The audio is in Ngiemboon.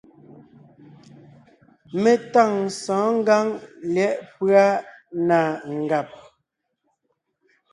Mé tâŋ sɔ̌ɔn ngǎŋ lyɛ̌ʼ pʉ́a na ngàb;